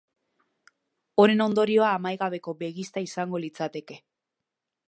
Honen ondorioa amaigabeko begizta izango litzateke.